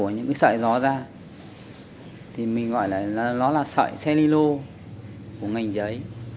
nó là sợi xe lilo của ngành giấy